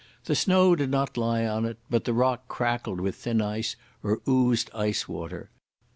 The snow did not lie on it, but the rock crackled with thin ice or oozed ice water.